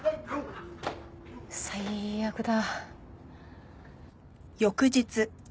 最悪だ。